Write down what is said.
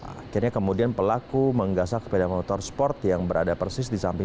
akhirnya kemudian pelaku menggasak sepeda motor sport yang berada persis di samping